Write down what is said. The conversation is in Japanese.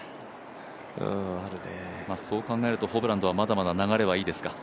そう考えるとホブランドは流れはまだまだいいですか？